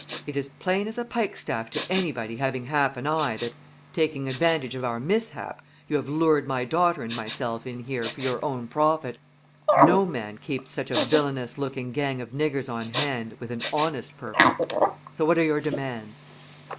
It is plain as a pikestaff to anybody having half an eye that, taking advantage of our mishap, you have lured my daughter and myself in here for your own profit. No man keeps such a villainous looking gang of niggers on hand with an honest purpose. So what are your demands?"